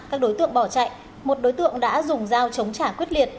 các đối tượng bỏ chạy một đối tượng đã dùng dao chống trả quyết liệt